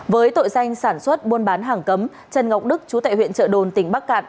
với tội danh sản xuất buôn bán hàng cấm trần ngọc đức chú tại huyện trợ đồn tỉnh bắc cạn